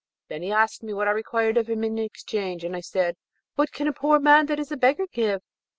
Then he asked me what I required of him in exchange, and I said, 'What can a poor old man that is a beggar give?'